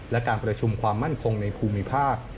และการประชุมความมั่นคงในภูมิภาค